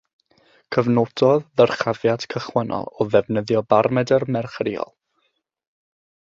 Cofnododd ddyrchafiad cychwynnol o ddefnyddio barmedr merchyriol.